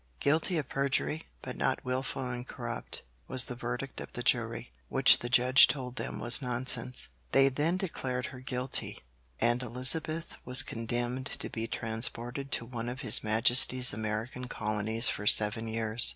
'Guilty of perjury, but not wilful and corrupt,' was the verdict of the jury, which the judge told them was nonsense. They then declared her guilty, and Elizabeth was condemned to be transported to one of his Majesty's American colonies for seven years.